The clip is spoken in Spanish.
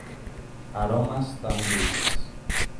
Aromas tan dulces.